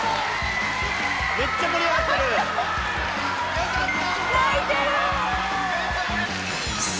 ・よかった！